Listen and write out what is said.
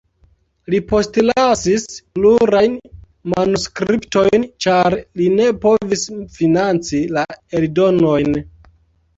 Li postlasis plurajn manuskriptojn, ĉar li ne povis financi la eldonojn.